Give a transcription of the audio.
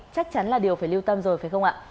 chắc chắn là điều phải lưu tâm rồi phải không ạ